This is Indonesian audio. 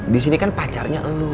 di sini kan pacarnya elu